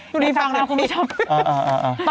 ดูนี่ฟังนะคุณผู้ชมอ่า